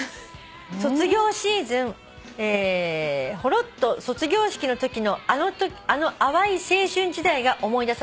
「卒業シーズンほろっと卒業式のときのあの淡い青春時代が思い出されました」